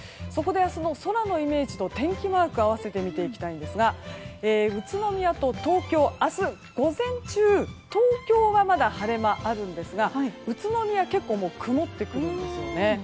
そこで、明日の空のイメージと天気マークを合わせて見ていきたいんですが宇都宮と東京、明日午前中東京はまだ晴れ間があるんですが宇都宮、結構曇ってくるんですね。